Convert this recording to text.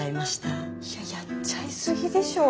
いややっちゃい過ぎでしょ。